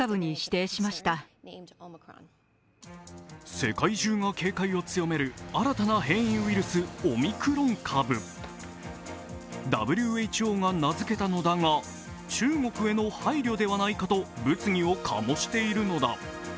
世界中が警戒を強める新たな変異ウイルス、オミクロン株ＷＨＯが名付けたのだが、中国への配慮ではないかと物議を醸しているのだ。